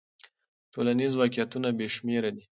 ټولنیز واقعیتونه بې شمېره دي.